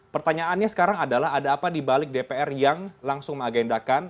pertanyaannya sekarang adalah ada apa dibalik dpr yang langsung mengagendakan